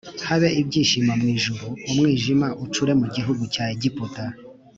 habe ibyishimo mu ijuru umwijima ucure mu gihugu cya egiputa